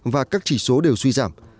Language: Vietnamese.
và các chỉ số đều suy giảm